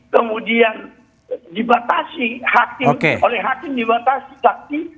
kemudian dibatasi hakim oleh hakim dibatasi kaki